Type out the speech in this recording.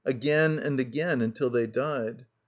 . again and again until they died.